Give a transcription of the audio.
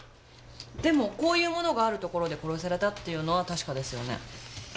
でもこういうものがあるところで殺されたっていうのは確かですよね。